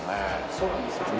そうなんですよね。